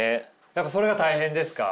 やっぱそれが大変ですか？